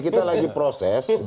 kita lagi proses